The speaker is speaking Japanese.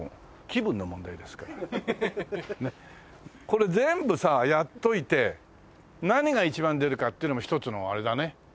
これ全部さやっといて何が一番出るかっていうのも一つのあれだね運試しだね。